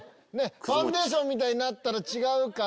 ファンデーションみたいになったら違うから。